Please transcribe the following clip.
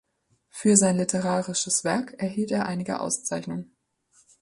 Für sein literarisches Werk erhielt er einige Auszeichnungen.